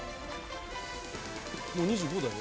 もう２５だよ。